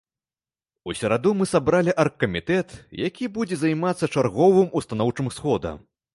У сераду мы сабралі аргкамітэт, які будзе займацца чарговым устаноўчым сходам.